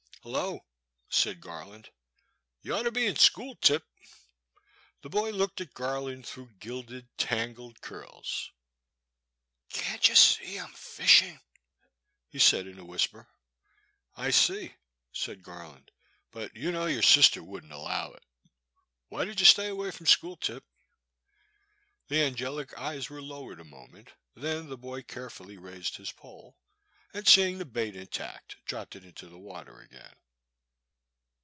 Hello," said Garland, ''you ought to be in school. Tip." The boy looked at Garland through gilded tan gled curls. *' Can't you see I 'm fishin*?" he said in a whisper. I see," said Garland, but you know your sister would n*t allow it. Why did you stay away from school. Tip ?" The angelic eyes were lowered a moment, then the boy carefully raised his pole, and, seeing the bait intact, dropped it into the water again.